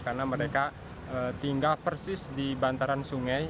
karena mereka tinggal persis di bantaran sungai